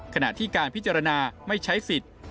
ขณะที่การพิจารณาไม่ใช้สิทธิ์